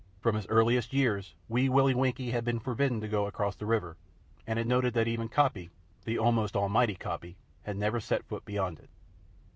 From his earliest years, Wee Willie Winkie had been forbidden to go across the river, and had noted that even Coppy the almost almighty Coppy had never set foot beyond it.